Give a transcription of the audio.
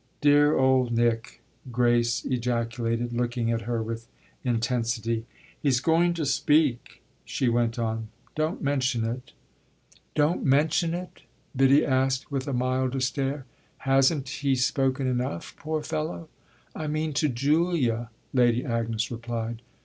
"Dear old Nick!" Grace ejaculated looking at her with intensity. "He's going to speak," she went on. "But don't mention it." "Don't mention it?" Biddy asked with a milder stare. "Hasn't he spoken enough, poor fellow?" "I mean to Julia," Lady Agnes replied.